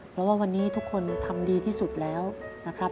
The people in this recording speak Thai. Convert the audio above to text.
เพราะว่าวันนี้ทุกคนทำดีที่สุดแล้วนะครับ